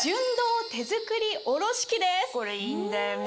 これいいんだよね。